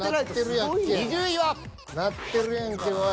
やってるやんけおい。